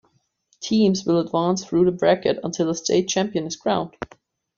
Teams will advance through the bracket until a state champion is crowned.